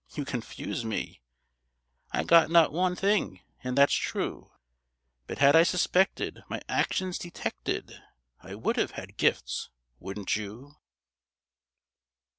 You confuse me I got not one thing, and that's true; But had I suspected my actions detected I would have had gifts, wouldn't you?